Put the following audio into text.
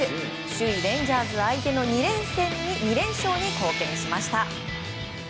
首位レンジャーズ相手の２連勝に貢献しました。